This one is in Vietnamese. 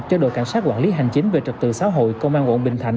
cho đội cảnh sát quản lý hành chính về trật tự xã hội công an quận bình thạnh